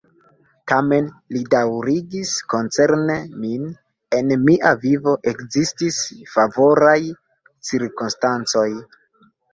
Tamen, li daŭrigis, koncerne min, en mia vivo ekzistis favoraj cirkonstancoj.